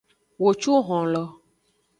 Wo cu honlo.